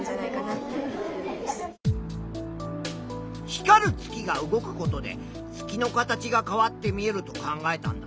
光る月が動くことで月の形が変わって見えると考えたんだな。